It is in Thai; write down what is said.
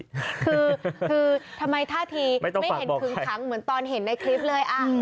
คือทำไมท่าทีไม่เห็นขึงขังเหมือนตอนเห็นในคลิปเลย